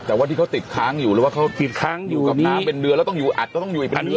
แล้วที่เขาติดค้างอยู่ไปเป็นเรืออัตต้องอยู่อีกเป็นเรือนี้